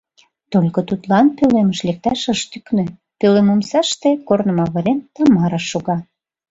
Только тудлан пӧлемыш лекташ ыш тӱкнӧ: пӧлем омсаште, корным авырен, Тамара шога.